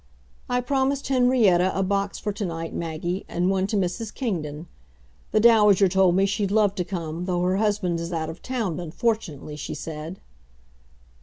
I promised Henrietta a box for to night, Maggie, and one to Mrs. Kingdon. The Dowager told me she'd love to come, though her husband is out of town, unfortunately, she said.